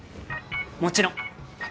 もちろん。